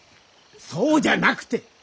そうじゃなくて。